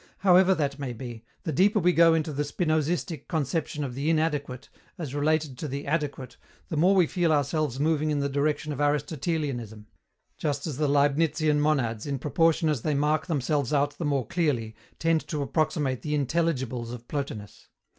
However that may be, the deeper we go into the Spinozistic conception of the "inadequate," as related to the "adequate," the more we feel ourselves moving in the direction of Aristotelianism just as the Leibnizian monads, in proportion as they mark themselves out the more clearly, tend to approximate to the Intelligibles of Plotinus.